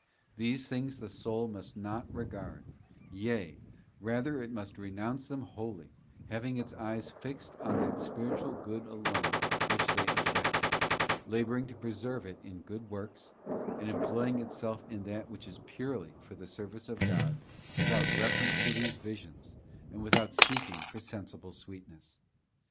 These things the soul must not regard; yea, rather it must renounce them wholly, having its eyes fixed on that spiritual good alone which they effect, labouring to preserve it in good works, and employing itself in that which is purely for the service of God without reference to these visions, and without seeking for sensible sweetness.